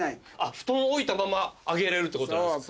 布団置いたまま上げれるってことなんですか。